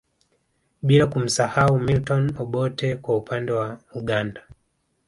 Bila kumsahau Milton Obote kwa upande wa Uganda